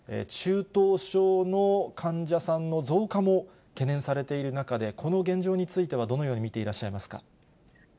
中等症の患者さんの増加も懸念されている中で、この現状については、どのように見ていらっしゃいますか。